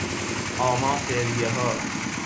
آماس ریهها